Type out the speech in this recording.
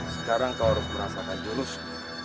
sekarang kau harus merasakan jurus